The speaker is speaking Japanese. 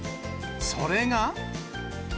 それが。